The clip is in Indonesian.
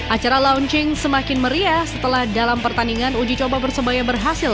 acara launching semakin meriah setelah dalam pertandingan uji coba persebaya berhasil